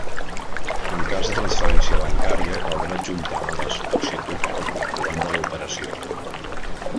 En cas de transferència bancària caldrà adjuntar a la sol·licitud el comprovant de l'operació.